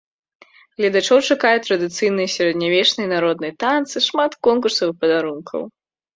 Гледачоў чакаюць традыцыйныя сярэднявечныя і народныя танцы, шмат конкурсаў і падарункаў!